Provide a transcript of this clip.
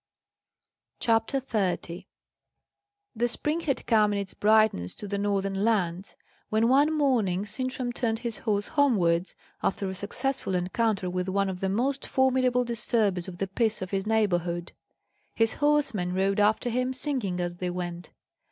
CHAPTER 30 The spring had come in its brightness to the northern lands, when one morning Sintram turned his horse homewards, after a successful encounter with one of the most formidable disturbers of the peace of his neighbourhood. His horsemen rode after him, singing as they went.